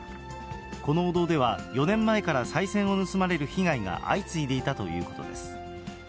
このお堂では、４年前からさい銭を盗まれる被害が相次いでいたということです。